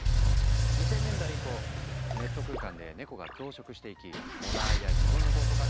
２０００年代以降ネット空間でネコが増殖していき「モナー」や「ギコ猫」とかが誕生。